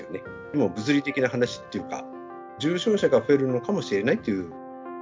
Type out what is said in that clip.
もう物理的な話っていうか、重症者が増えるかもしれないという。